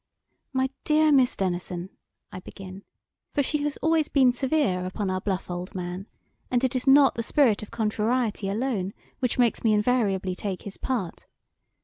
"My dear Miss Denison!" I begin; for she has always been severe upon our bluff old man, and it is not the spirit of contrariety alone which makes me invariably take his part.